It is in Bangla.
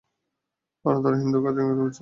কারণ তারা হিন্দু কার্তিকেয়ানকে খুঁজছিল না।